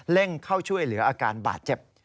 ่งเข้าช่วยเหลืออาการบาดเจ็บ